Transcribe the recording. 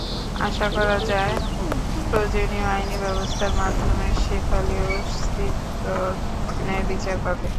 আশা করা যায়, প্রয়োজনীয় আইনি ব্যবস্থার মাধ্যমে শেফালি অতিসত্বর ন্যায়বিচার পাবে।